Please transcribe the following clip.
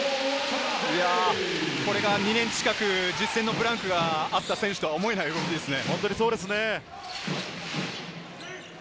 これが２年近く実戦のブランクがあった選手とは思えない動きですね。